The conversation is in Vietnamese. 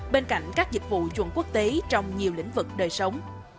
bên cạnh các dịch vụ chuẩn quốc tế trong nhiều lĩnh vực đời sống